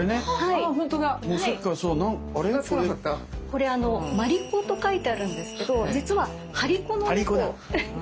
これ「鞠子」と書いてあるんですけど実は「張り子」の猫。